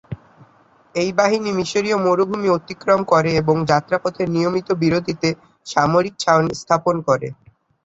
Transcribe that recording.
এই বাহিনী মিশরীয় মরুভূমি অতিক্রম করে এবং যাত্রাপথে নিয়মিত বিরতিতে সামরিক ছাউনি স্থাপন করে।